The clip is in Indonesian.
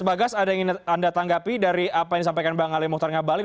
bagas ada yang ingin anda tanggapi dari apa yang disampaikan bang ali mohtar ngabalin